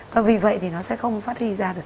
và vì vậy thì nó sẽ không phát huy ra được